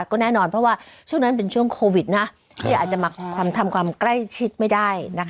ก็แน่นอนเพราะว่าช่วงนั้นเป็นช่วงโควิดนะที่อาจจะมาทำความใกล้ชิดไม่ได้